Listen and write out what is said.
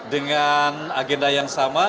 dengan agenda yang sama